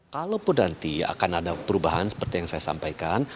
kalaupun nanti akan ada perubahan seperti yang saya sampaikan